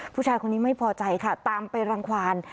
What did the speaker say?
ผู้ชายคนนี้ไม่พอใจค่ะตามไปรังความ